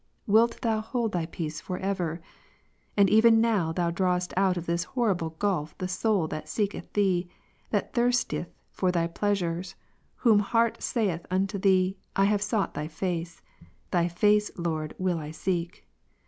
Wilt Thou hold Thy peace for ever? And even now Thou drawest out of this horrible gulf the soul that seeketh Thee, that thirsteth Ps. 27, 8. for Thy pleasures, ivhose heart saith unto Thee, I have sought Rom. 1, 77/// face ; Thy face, Lord, will I seek.